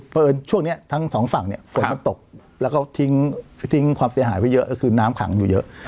เพราะเอิญช่วงนี้ทั้งสองฝั่งเนี่ยฝนมันตกแล้วก็ทิ้งความเสียหายไว้เยอะก็คือน้ำขังอยู่เยอะ